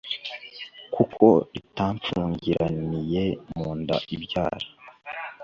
kuko ritamfungiraniye mu nda ibyara